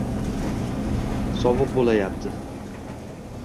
Sovuq bo'layapti